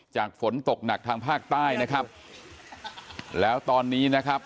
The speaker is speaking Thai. ฝนตกหนักทางภาคใต้นะครับแล้วตอนนี้นะครับ